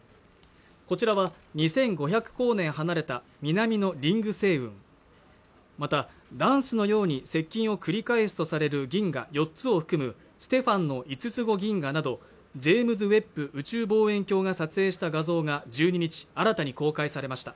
こちらは２５００光年離れた南のリング星雲またダンスのように接近を繰り返すとされる銀河４つを含むステファンの五つ子銀河などジェームズ・ウェップ宇宙望遠鏡が撮影した画像が１２日新たに公開されました